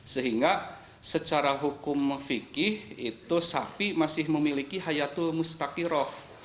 sehingga secara hukum fikih itu sapi masih memiliki hayatul mustaqiroh